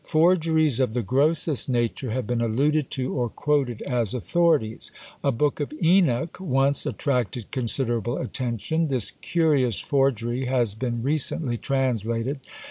Forgeries of the grossest nature have been alluded to, or quoted as authorities. A Book of Enoch once attracted considerable attention; this curious forgery has been recently translated.